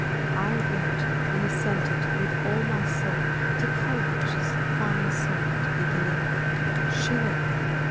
317 I read and assented with all my soul to Coleridge's fine Sonnet, beginning â€" Schiller